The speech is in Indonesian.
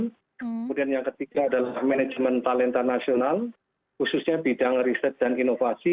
kemudian yang ketiga adalah manajemen talenta nasional khususnya bidang riset dan inovasi